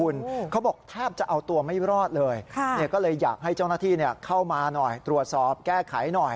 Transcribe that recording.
และคนที่อยู่ในบ้านที่มันซุด